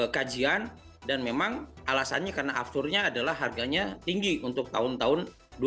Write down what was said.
kajian dan memang alasannya karena afturnya adalah harganya tinggi untuk tahun tahun dua ribu dua puluh